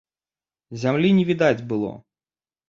Зямлі не відаць было.